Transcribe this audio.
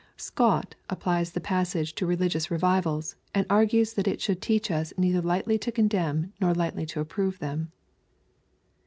Scott applies the passage to religious revivals, and argues that it diould teach us neither lightly to condemn nor lightly to ap prove them.